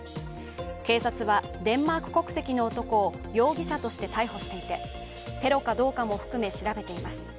警察はデンマーク国籍の男を容疑者として逮捕していてテロかどうかも含め調べています。